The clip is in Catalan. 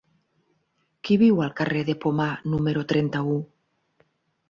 Qui viu al carrer de Pomar número trenta-u?